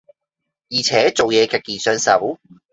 而且做嘢極易上手